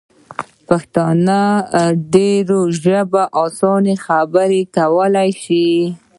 پښتانه ډیري ژبي په اسانۍ زده کولای سي.